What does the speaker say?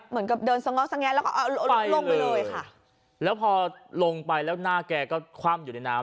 เหมือนกับเดินสง้อสงแงะแล้วก็ลงไปเลยค่ะแล้วพอลงไปแล้วหน้าแกก็คว่ำอยู่ในน้ำ